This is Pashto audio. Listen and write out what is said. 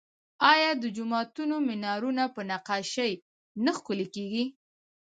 آیا د جوماتونو مینارونه په نقاشۍ نه ښکلي کیږي؟